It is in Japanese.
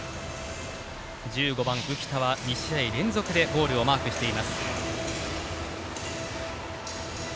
１５番、浮田は２試合連続でゴールをマークしています。